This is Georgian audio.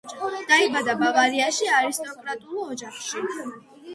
დაიბადა ბავარიაში, არისტოკრატიულ ოჯახში.